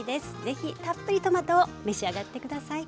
是非たっぷりトマトを召し上がって下さい。